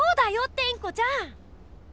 テンコちゃん！